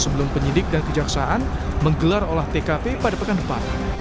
sebelum penyidik dan kejaksaan menggelar olah tkp pada pekan depan